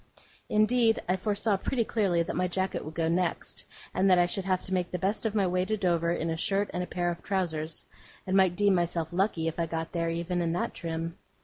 Indeed, I foresaw pretty clearly that my jacket would go next, and that I should have to make the best of my way to Dover in a shirt and a pair of trousers, and might deem myself lucky if I got there even in that trim.